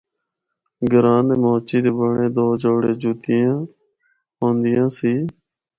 گراں دے موچی دے بنڑے دو جوڑے جُتیاں ہوندیاں سی۔